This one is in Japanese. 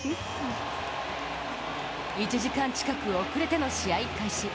１時間近く遅れての試合開始。